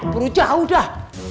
perlu jauh udah